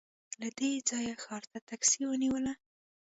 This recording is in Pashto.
له دې ځايه ښار ته ټکسي ونیوله.